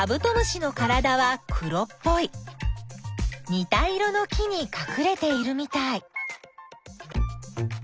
にた色の木にかくれているみたい。